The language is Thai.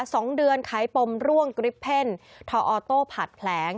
สองเดือนขายปมร่วงกริปเพ่นทออโต้ผัดแผลง